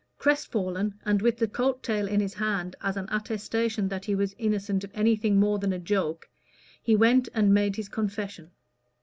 Crest fallen, and with the coat tail in his hands as an attestation that he was innocent of anything more than a joke, he went and made his confession.